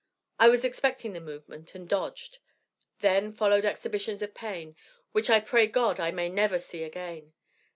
I was expecting the movement, and dodged. Then followed exhibitions of pain which I pray God I may never see again.